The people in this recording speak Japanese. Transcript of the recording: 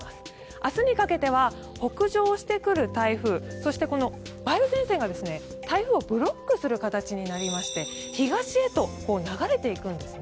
明日にかけては北上してくる台風そしてこの梅雨前線が、台風をブロックする形になりまして東へと流れていくんですね。